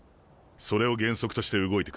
それを原則として動いてくれ。